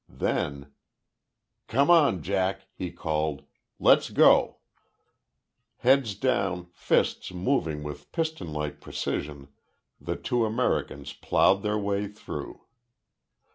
Then "Come on, Jack!" he called. "Let's go!" Heads down, fists moving with piston like precision, the two Americans plowed their way through.